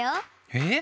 えっ？